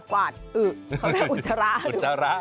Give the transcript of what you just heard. กวาดอือเขาเรียกเป็นอุจจาระ